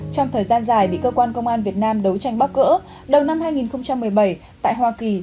trong thời gian dài bị cơ quan công an việt nam đấu tranh bóc gỡ đầu năm hai nghìn một mươi bảy tại hoa kỳ